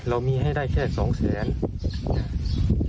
เรามีให้ได้แค่๒๐๐๐๐๐บาท